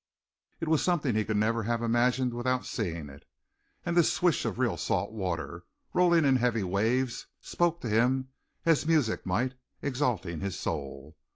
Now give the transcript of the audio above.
It was something he could never have imagined without seeing it, and this swish of real salt water, rolling in heavy waves, spoke to him as music might, exalting his soul.